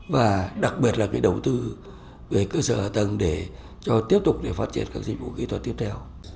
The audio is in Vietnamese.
và đặc biệt là cái đầu tư về cơ sở hạ tầng để cho tiếp tục để phát triển các dịch vụ kỹ thuật tiếp theo